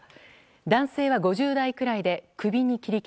男性は５０代くらいで首に切り傷。